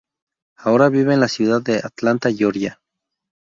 Ahora vive en la ciudad de Atlanta, Georgia.